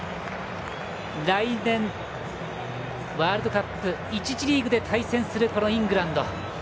来年、ワールドカップ１次リーグで対戦するイングランド。